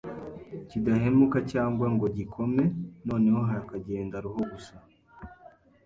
kidahumeka cyangwa ngo gikome noneho hakagenda roho gusa